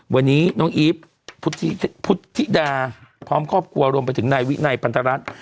วันนี้น้องอีฟพุทธิดาพร้อมครอบครัวรวมไปถึงนายวินัยพันธรัฐ